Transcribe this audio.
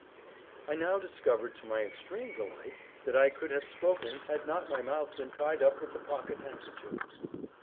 I now discovered to my extreme delight that I could have spoken had not my mouth been tied up with the pocket handkerchief.